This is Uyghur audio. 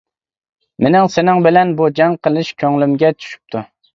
مېنىڭ سېنىڭ بىلەن بۇ جەڭ قىلىش كۆڭلۈمگە چۈشۈپتۇ.